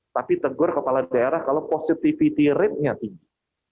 tapi tegur kepala daerah kalau positivity rate nya tinggi